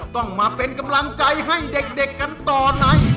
ต้องมาเป็นกำลังใจให้เด็กกันต่อใน